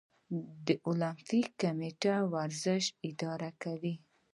د المپیک کمیټه ورزش اداره کوي